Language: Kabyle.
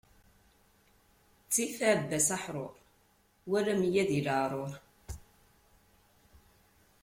Ttif aɛebbas aḥṛuṛ, wala meyya di leɛṛuṛ.